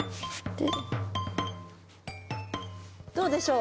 どうでしょう？